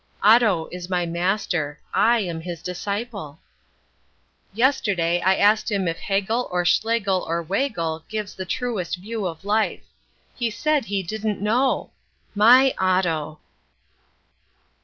Otto is my master. I am his disciple! Yesterday I asked him if Hegel or Schlegel or Whegel gives the truest view of life. He said he didn't know! My Otto!